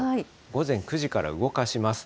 午前９時から動かします。